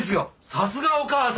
さすがお母さん！